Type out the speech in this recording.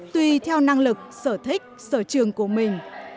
tùy theo năng lực sở thích sở trường của mình